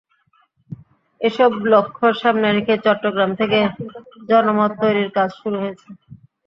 এসব লক্ষ্য সামনে রেখে চট্টগ্রাম থেকে জনমত তৈরির কাজ শুরু হয়েছে।